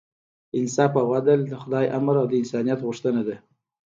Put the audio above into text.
انصاف او عدل د خدای امر او د انسانیت غوښتنه ده.